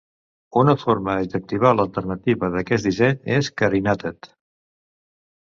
Una forma adjectival alternativa d'aquest disseny és "carinated".